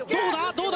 どうだ？